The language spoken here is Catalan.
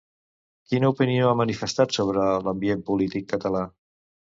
Quina opinió ha manifestat sobre l'ambient polític català?